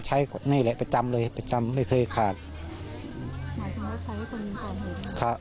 แล้วปกติดื่นเล่าด้วยกันบ่อย